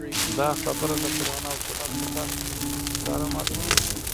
دا خبره د قران او سنت څخه ښکاره معلوميږي